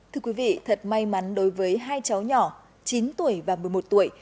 thưa quý vị thật may mắn đối với hai cháu nhỏ chín tuổi và một mươi một tuổi